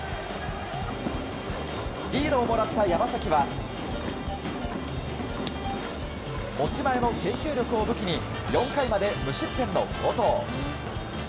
リードをもらった山崎は持ち前の制球力を武器に４回まで無失点の好投。